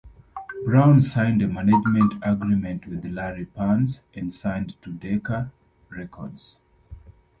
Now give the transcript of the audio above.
Brown signed a management agreement with Larry Parnes and signed to Decca Records.